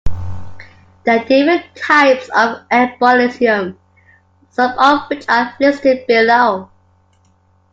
There are different types of embolism, some of which are listed below.